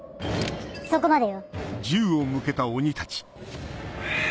そこまでよ。